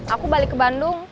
aku balik ke bandung